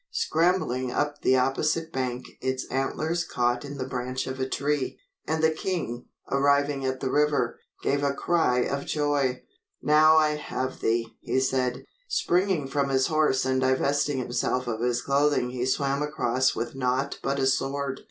Scrambling up the opposite bank its antlers caught in the branch of a tree, and the king, arriving at the river, gave a cry of joy. "Now I have thee," he said. Springing from his horse and divesting himself of his clothing he swam across with naught but a sword.